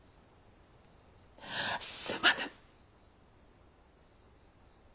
すまぬ。